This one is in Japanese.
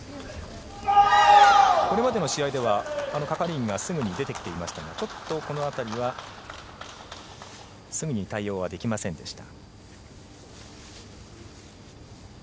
これまでの試合では係員がすぐに出てきていましたがちょっとこの辺りはすぐに対応はできませんでした。